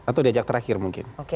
atau diajak terakhir mungkin